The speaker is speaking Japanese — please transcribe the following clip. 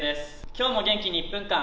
今日も元気に「１分間！